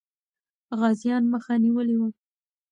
غازيان مخه نیولې وه.